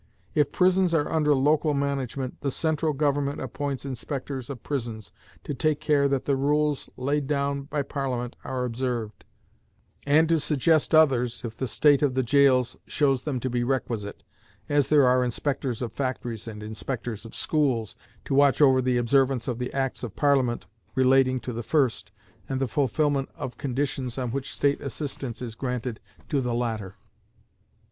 If prisons are under local management, the central government appoints inspectors of prisons, to take care that the rules laid down by Parliament are observed, and to suggest others if the state of the jails shows them to be requisite, as there are inspectors of factories and inspectors of schools, to watch over the observance of the Acts of Parliament relating to the first, and the fulfillment of the conditions on which state assistance is granted to the latter.